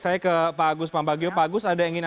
saya ke pak agus pambagio pak agus ada yang ingin